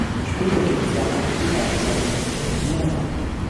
Später ging sie an eine private Sammlung in Indiana.